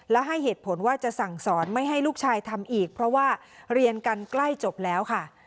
และให้เหตุผลว่าจะสั่งสอนไม่ให้ลูกชายทำอีกเพราะว่าเรียนกันใกล้จบแล้วค่ะ